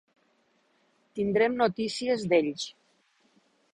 Tindrem notícies d'ells.